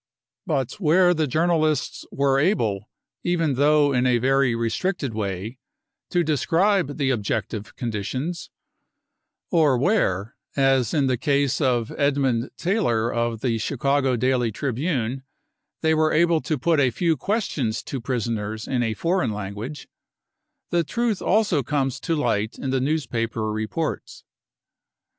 But where the journalists were able, even though in a very restricted way, to describe the objective conditions — or where, as in the case of Edmund Taylor of the Chicago Daily Tribune , they were able to put a few ques tions to prisoners in a foreign language — the truth also comes to light in the newspaper, reports.